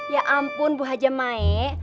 ya ampun bu haji maik